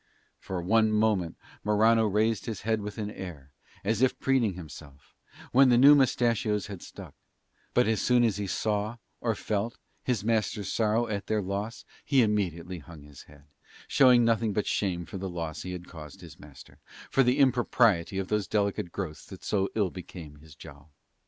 For one moment Morano raised his head with an air, as it were preening himself, when the new moustachios had stuck; but as soon as he saw, or felt, his master's sorrow at their loss he immediately hung his head, showing nothing but shame for the loss he had caused his master, or for the impropriety of those delicate growths that so ill become his jowl.